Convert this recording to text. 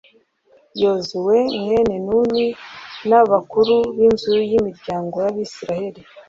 yozuwe mwene nuni, n'abakuru b'inzu z'imiryango y'abayisraheli